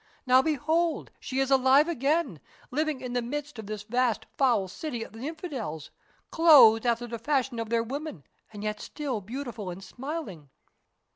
Now, behold, she is alive again, living in the midst of this vast, foul city of the infidels, clothed after the fashion of their women, and yet still beautiful and smiling.